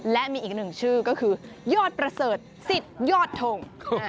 และมีอีกหนึ่งชื่อก็คือยอดประเสริฐสิทธิยอดทง